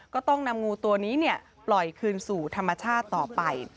ก็ต้องนำงูตัวนี้ปล่อยคืนสู่ธรรมชาติต่อไป